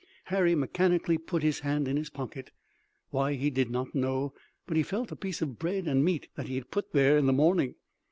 Harry mechanically put his hand in his pocket, why he did not know, but he felt a piece of bread and meat that he had put there in the morning.